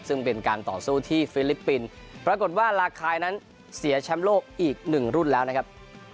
ซึ่งเป็นการต่อสู้ที่ฟิลิปปินส์ปรากฏว่าลาคายนั้นเสียแชมป์โลกอีกหนึ่งรุ่นแล้วนะครับ